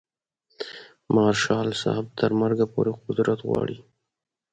مارشال صاحب تر مرګه پورې قدرت غواړي.